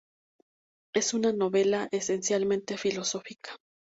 Es una novela esencialmente filosófica.